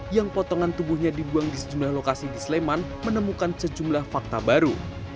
yang potongan tubuhnya dibuang di sejumlah lokasi di sleman menemukan sejumlah fakta baru